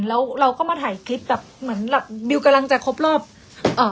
แล้วเราก็มาถ่ายคลิปแบบเหมือนแบบบิวกำลังจะครบรอบอ่า